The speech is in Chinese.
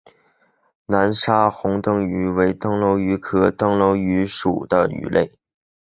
南沙虹灯鱼为灯笼鱼科虹灯鱼属的鱼类。